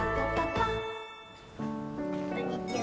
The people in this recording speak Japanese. こんにちは。